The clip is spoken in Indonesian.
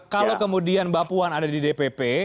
kalau kemudian bapuan ada di dpp